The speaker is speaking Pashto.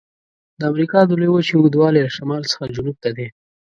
د امریکا د لویې وچې اوږدوالی له شمال څخه جنوب ته دی.